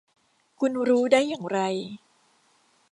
คุณรู้ได้อย่างไร